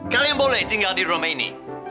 kalian boleh tinggal di rumah ini